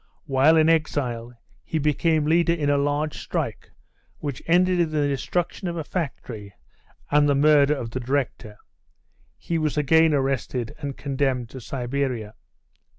While in exile he became leader in a large strike, which ended in the destruction of a factory and the murder of the director. He was again arrested and condemned to Siberia.